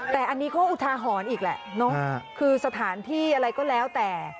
แต่อันนี้ก็อุทาหรณ์อีกแหละเนาะคือสถานที่อะไรก็แล้วแต่